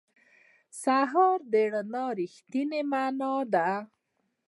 سهار د رڼا رښتینې معنا ده.